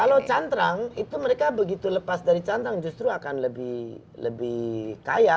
kalau cantrang itu mereka begitu lepas dari cantrang justru akan lebih kaya